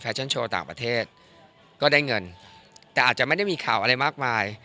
ชั่นโชว์ต่างประเทศก็ได้เงินแต่อาจจะไม่ได้มีข่าวอะไรมากมาย